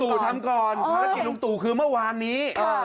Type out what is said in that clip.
ตู่ทำก่อนภารกิจลุงตู่คือเมื่อวานนี้